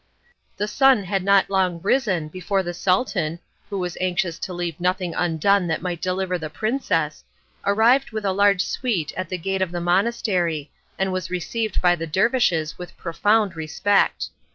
The sun had not long risen before the Sultan, who was anxious to leave nothing undone that might deliver the princess, arrived with a large suite at the gate of the monastery, and was received by the dervishes with profound respect.